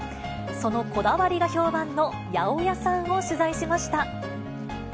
そのこだわりが評判の八百屋さんを取材しました。